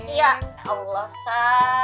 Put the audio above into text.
ya allah sa